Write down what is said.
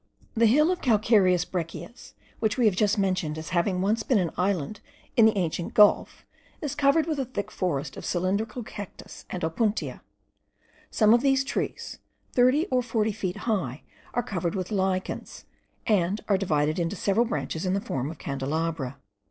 The hill of calcareous breccias, which we have just mentioned as having once been an island in the ancient gulf, is covered with a thick forest of cylindric cactus and opuntia. Some of these trees, thirty or forty feet high, are covered with lichens, and are divided into several branches in the form of candelabra.